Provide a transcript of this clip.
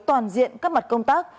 toàn diện các mặt công tác